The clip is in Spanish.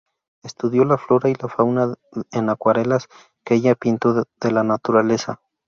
Estudió la flora y la fauna en acuarelas, que ella pintó de la naturaleza.